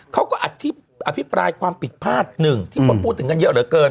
เขาก็อธิปรายความผิดพลาดหนึ่งที่คนพูดถึงกันเยอะเหลือเกิน